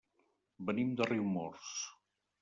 Venim de Riumors.